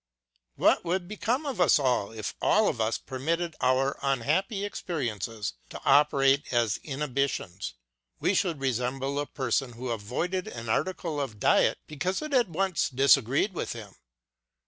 What would become of us if all of us permitted our unhappy experiences to operate as in hibitions ! We should resemble a person who avoided an article of diet because it had once disagreed with him.